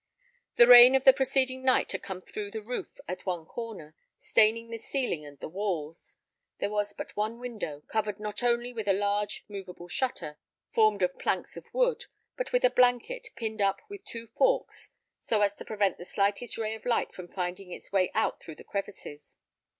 The rain of the preceding night had come through the roof at one corner, staining the ceiling and the walls. There was but one window, covered not only with a large moveable shutter, formed of planks of wood, but with a blanket, pinned up with two forks, so as to prevent the slightest ray of light from finding its way out through the crevices.